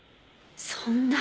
そんな。